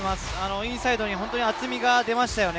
インサイドに厚みが出ましたよね。